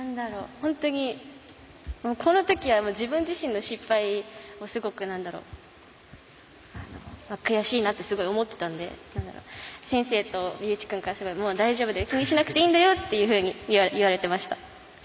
本当に、このときは自分自身の失敗も、すごく悔しいなってすごい思ってたので先生と龍一君からすごい、もう大丈夫だよ気にしなくていいんだよって言われてました。